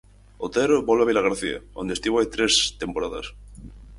Otero volve a Vilagarcía, onde estivo hai tres temporadas.